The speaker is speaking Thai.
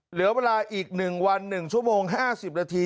เหลือเวลาอีก๑วัน๑ชั่วโมง๕๐นาที